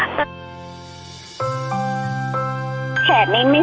สวัสดีครับ